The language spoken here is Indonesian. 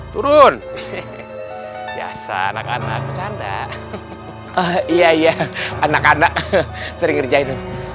turun biasa anak anak bercanda iya iya anak anak sering ngerjain